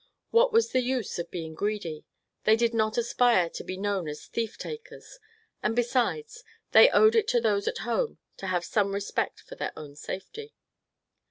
What was the use of being greedy; they did not aspire to be known as thief takers; and besides, they owed it to those at home to have some respect for their own safety.